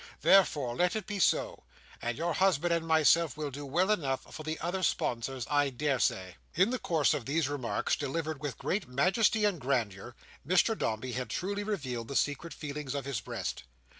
Therefore let it be so; and your husband and myself will do well enough for the other sponsors, I daresay." In the course of these remarks, delivered with great majesty and grandeur, Mr Dombey had truly revealed the secret feelings of his breast.